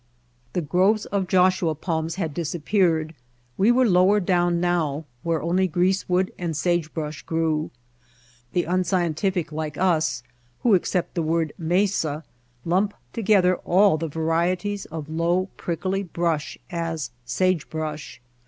The groves of Joshua palms had disappeared; we were lower down now where only greasewood and sagebrush grew. The unscientific like us, who accept the word mesa," lump together all the varieties of low prickly brush as sagebrush.